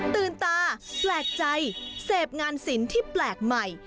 ตื่นตาแปลกใจเสพงานศิลป์ที่แปลกใหม่